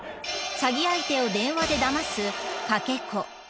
詐欺相手を電話でだますかけ子。